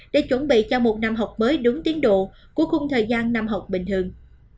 để chuẩn bị cho một năm học mới đúng tiến độ của khung thời gian năm học bình thường